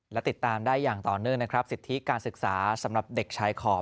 และติดตามได้อย่างต่อเนื่องนะครับสิทธิการศึกษาสำหรับเด็กชายขอบ